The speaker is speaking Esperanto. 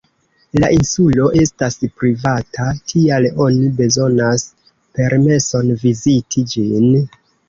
La insulo estas privata, tial oni bezonas permeson viziti ĝin.